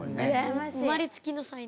生まれつきの才能。